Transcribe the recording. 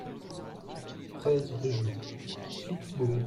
treize rue du Pflixbourg